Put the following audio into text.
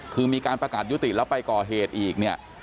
คือมีการประกาศยุติแล้วไปก่อเหตุอีกเนี่ย